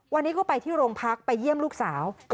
วันนี้ก็ไปที่โรงพักไปเยี่ยมลูกสาว